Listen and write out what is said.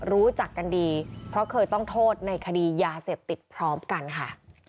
รู้จักกันดีเพราะเคยต้องโทษในคดียาเสพติดพร้อมกันค่ะ